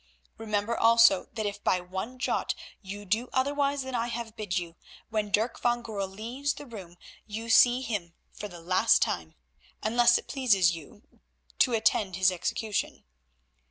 Remember also that if by one jot you do otherwise than I have bid you, when Dirk van Goorl leaves the room you see him for the last time, unless it pleases you—to attend his execution.